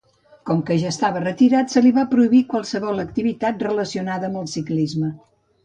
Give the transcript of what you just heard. Com que ja estava retirat, se li va prohibir qualsevol activitat relacionada amb el ciclisme.